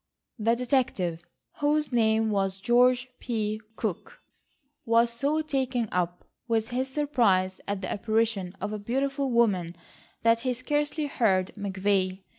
The detective, whose name was George P. Cook, was so taken up with his surprise at the apparition of a beautiful woman that he scarcely heard McVay.